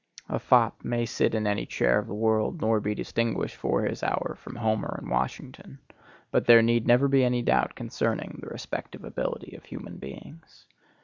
A fop may sit in any chair of the world nor be distinguished for his hour from Homer and Washington; but there need never be any doubt concerning the respective ability of human beings.